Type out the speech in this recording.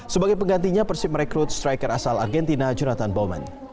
sebagai penggantinya persib merekrut striker asal argentina jonathan bowman